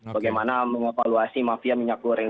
bagaimana mengevaluasi mafia minyak goreng